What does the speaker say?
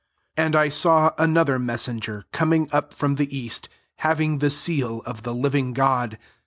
2 And I saw another nessenger coming up from the ^ast, having the seal of the iving God.